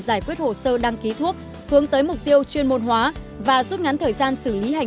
giải quyết hồ sơ đăng ký thuốc hướng tới mục tiêu chuyên môn hóa và rút ngắn thời gian xử lý hành